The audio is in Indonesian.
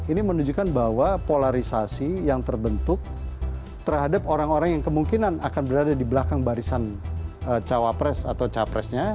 ini menunjukkan bahwa polarisasi yang terbentuk terhadap orang orang yang kemungkinan akan berada di belakang barisan cawapres atau capresnya